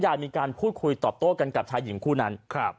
มีการพูดคุยตอบโต้กันกับชายหญิงคู่นั้นครับ